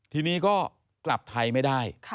ทีนี้ก็กลับไทยไม่ได้